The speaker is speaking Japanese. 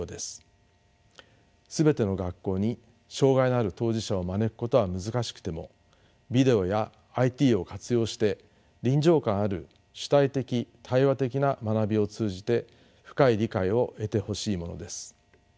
全ての学校に障害のある当事者を招くことは難しくてもビデオやＩＴを活用して臨場感ある主体的対話的な学びを通じて深い理解を得てほしいものです。